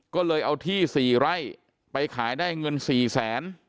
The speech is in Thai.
ก็เลยเอาที่๔ไร่ไปขายได้เงิน๔แสน